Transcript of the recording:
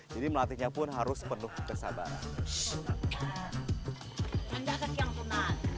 jadi melatihnya pun harus penuh kesabaran